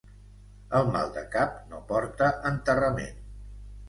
El mal de cap no porta enterrament.